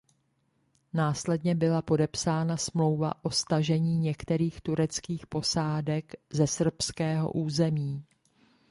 Následně byla podepsána smlouva o stažení některých tureckých posádek ze srbského území.